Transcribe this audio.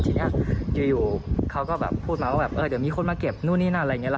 ทีนี้อยู่เขาก็แบบพูดมาว่าแบบเออเดี๋ยวมีคนมาเก็บนู่นนี่นั่นอะไรอย่างนี้